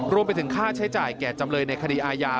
รวมไปถึงค่าใช้จ่ายแก่จำเลยในคดีอาญา